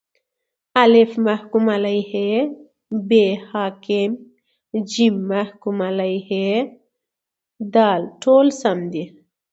الف: محکوم علیه ب: حاکم ج: محکوم علیه د: ټوله سم دي